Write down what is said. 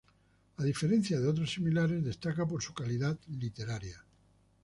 A diferencia de otros similares, destaca por su calidad literaria.